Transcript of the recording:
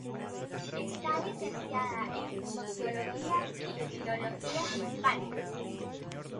Está licenciada en Sociología y en Filología Hispánica.